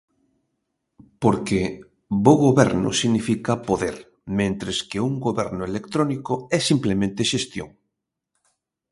Porque bo goberno significa poder, mentres que un goberno electrónico é simplemente xestión.